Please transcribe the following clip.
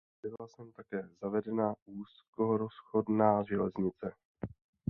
Byla sem také zavedena úzkorozchodná železnice.